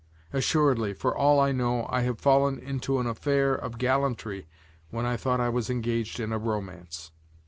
Assuredly, for all I know, I have fallen into an affair of gallantry when I thought I was engaged in a romance.